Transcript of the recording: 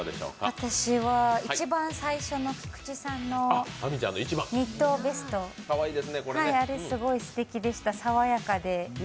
私は一番最初の菊地さんのニットベスト、あれ、すごいすてきでした、さわやかで。